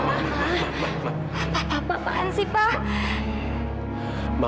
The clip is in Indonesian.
ma apaan sih ma